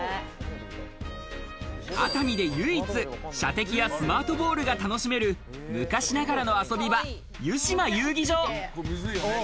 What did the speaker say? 熱海で唯一、射的やスマートボールが楽しめる昔ながらの遊び場、ゆしま遊技場。